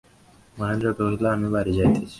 মহেন্দ্র কহিল, আমি বাড়ি যাইতেছি।